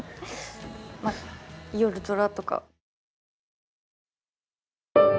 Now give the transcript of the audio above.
まあ「よるドラ」とか。